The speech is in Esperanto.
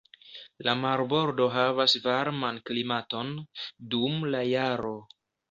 La marbordo havas varman klimaton, dum la jaro.